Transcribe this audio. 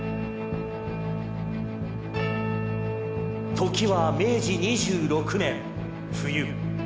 「時は明治２６年冬。